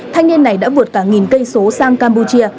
thanh niên này đã vượt cả nghìn cây số sang campuchia